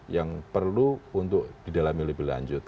yang perlu untuk didalami lebih lanjut